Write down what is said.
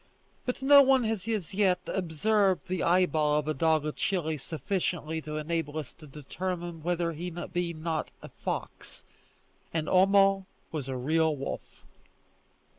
But no one has as yet observed the eyeball of a dog of Chili sufficiently to enable us to determine whether he be not a fox, and Homo was a real wolf.